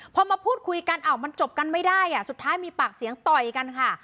พอมาพูดคุยกันอ้าวมันจบกันไม่ได้สุดท้ายมีปากเสียงต่อยกันค่ะ